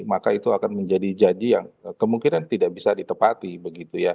maka itu akan menjadi jadi yang kemungkinan tidak bisa ditepati begitu ya